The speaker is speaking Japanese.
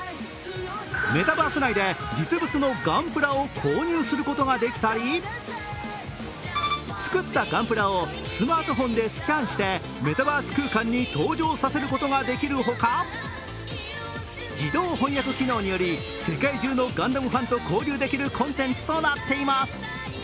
メタバース内で実物のガンプラを購入することができたり作ったガンプラをスマートフォンでスキャンしてメタバース空間に登場させることができるほか、自動翻訳機能により世界中のガンダムファンと交流できるコンテンツとなっています。